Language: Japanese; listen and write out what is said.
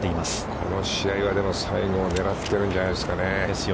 この試合は最後狙ってるんじゃないですかね。